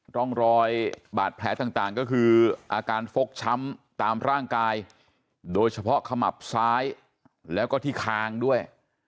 ร่องรอยบาดแผลต่างก็คืออาการฟกช้ำตามร่างกายโดยเฉพาะขมับซ้ายแล้วก็ที่คางด้วย